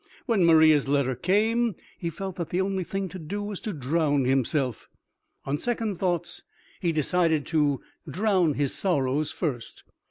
When Maria's letter came, he felt that the only thing to do was to drown himself; on second thoughts he decided to drown his sorrows first.